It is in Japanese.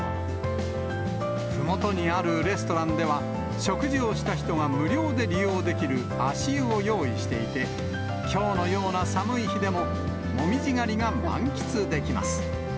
ふもとにあるレストランでは、食事をした人が無料で利用できる足湯を用意していて、きょうのような寒い日でも、紅葉狩りが満喫できます。